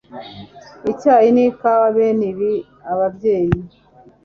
icyayi nikawa Bene ibi ababyeyi